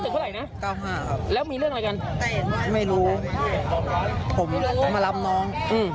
ผมมารับน้องแล้วมีเรื่องอะไรกันผมมารับน้อง